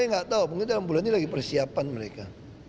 saya nggak tahu mungkin dalam bulan ini lagi persiapan mereka